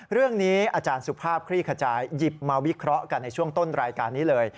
เรื่องนี้อาจารย์สุภาพคลี่ขจายหยิบมาวิเคราะห์กันในช่วงต้นรายการนี้เลย